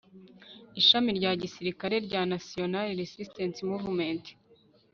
ishami rya gisirikare rya national resistance mouvement